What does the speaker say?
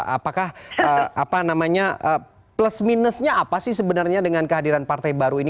apakah plus minusnya apa sih sebenarnya dengan kehadiran partai baru ini